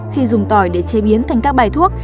khi dùng tỏi để chế biến thành các bài thuốc